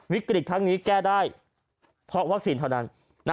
วิกฤตทั้งนี้แก้ได้เพราะวัคซีนเท่านั้น